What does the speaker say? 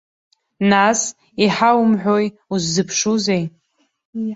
Нас, иҳаумҳәои, уззыԥшузеи?